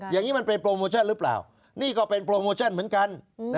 อย่างนี้มันเป็นโปรโมชั่นหรือเปล่านี่ก็เป็นโปรโมชั่นเหมือนกัน